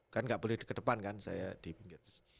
kan nggak boleh ke depan kan saya di pinggir